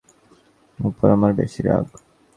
এইজন্য পৃথিবীর সব চেয়ে তোমার উপর আমার বেশি রাগ।